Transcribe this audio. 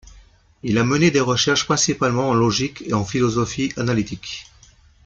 Il a mené des recherches principalement en logique et en philosophie analytique.